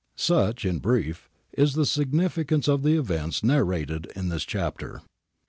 Such, in brief, is the significance of the events narrated in this chapter.